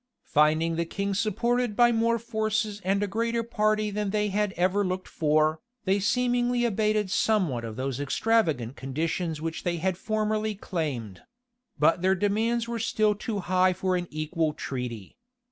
Finding the king supported by more forces and a greater party than they had ever looked for, they seemingly abated somewhat of those extravagant conditions which they had formerly claimed; but their demands were still too high for an equal treaty.